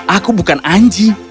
aku bukan anjing